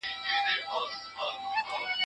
په شعر کې د ستورو یادونه د هغه وخت د علم کچه ښيي.